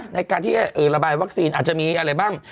ในการที่ระบายวัคซีนอาจจะมีอะไรบ้าง